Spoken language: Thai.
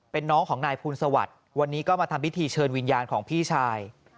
เป็นน้องของนายภูลสวัสดิ์วันนี้ก็มาทำพิธีเชิญวิญญาณของพี่ชาย